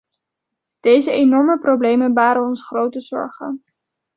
Deze enorme problemen baren ons grote zorgen.